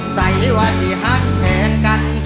ใส่ว่าสิห่างแห่งกัน